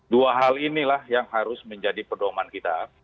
dua hal inilah yang harus menjadi pedoman kita